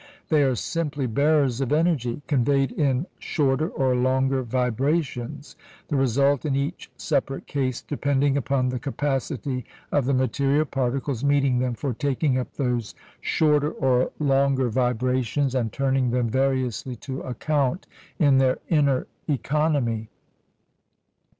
They are simply bearers of energy, conveyed in shorter or longer vibrations; the result in each separate case depending upon the capacity of the material particles meeting them for taking up those shorter or longer vibrations, and turning them variously to account in their inner economy.